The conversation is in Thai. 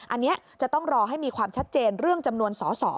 อันนี้จะต้องรอให้มีความชัดเจนเรื่องจำนวนสอสอ